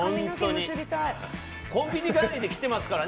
コンビニ帰りに来てますからね。